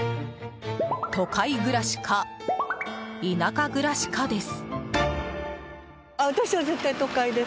都会暮らしか田舎暮らしかです。